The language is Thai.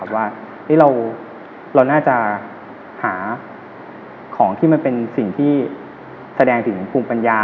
ว่าเราน่าจะหาของที่มันเป็นสิ่งที่แสดงถึงภูมิปัญญา